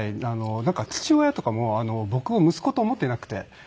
なんか父親とかも僕を息子と思っていなくて。